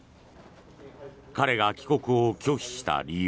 彼が帰国を拒否した理由。